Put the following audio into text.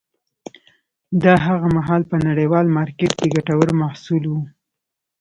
دا هغه مهال په نړیوال مارکېت کې ګټور محصول و.